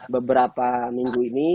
beberapa minggu ini